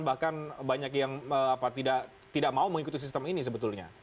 bahkan banyak yang tidak mau mengikuti sistem ini sebetulnya